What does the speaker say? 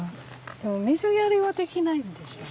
でも水やりはできないんでしょ？